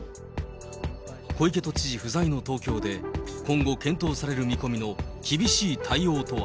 小池都知事不在の東京で今後、検討される見込みの厳しい対応とは。